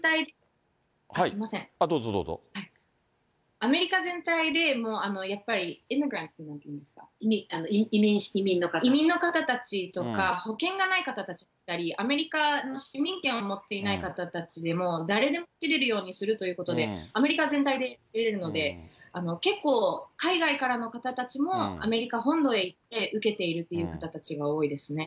アメリカ全体でやっぱり移民の方たちとか、保険がない方たちだったり、アメリカの市民権を持っていない方たちでも誰でも受けれるようにするということで、アメリカ全体で打てるので、結構、海外からの方たちも、アメリカ本土へ行って、受けているという方たちが多いですね。